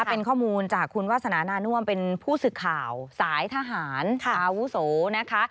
เป็นข้อมูลจากคุณวาสนานาน่วมเป็นผู้สื่อข่าวสายทหารอาวุโสนะคะ